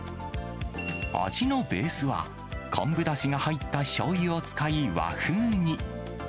味のベースは、昆布だしが入ったしょうゆを使い、和風に。